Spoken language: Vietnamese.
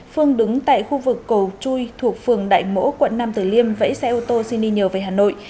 phương đứng tại khu vực cầu chui thuộc phường đại mỗ quận năm từ liêm vẫy xe ô tô xin đi nhờ về hà nội